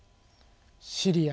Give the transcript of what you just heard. シリア